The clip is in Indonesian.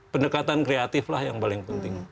pendekatan kreatiflah yang paling penting